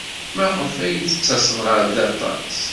Maɣef ay d-tettased ɣer da aṭas?